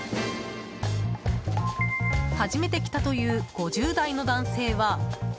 初めて来たという５０代の男性は。